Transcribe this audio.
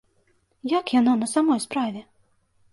Як яно на самой справе?